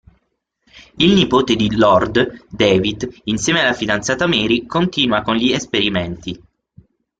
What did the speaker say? Il nipote di Lord, David, insieme alla fidanzata Mary, continua con gli esperimenti.